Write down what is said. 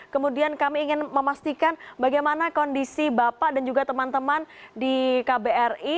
kemudian kami ingin memastikan bagaimana kondisi bapak dan juga teman teman di kbri